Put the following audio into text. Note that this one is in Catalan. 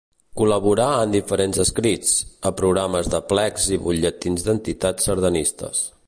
Col·laborà en diferents escrits, a programes d'aplecs i butlletins d'entitats sardanistes.